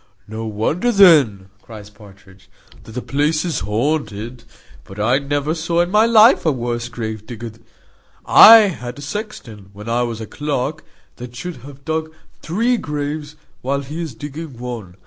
"No wonder then," cries Partridge, "that the place is haunted. But I never saw in my life a worse grave digger. I had a sexton, when I was clerk, that should have dug three graves while he is digging one.